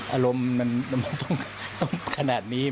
อารมณ์มันต้องขนาดนี้